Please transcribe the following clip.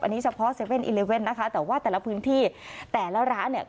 อันนี้เฉพาะ๗๑๑นะคะแต่ว่าแต่ละพื้นที่แต่ละร้านเนี่ย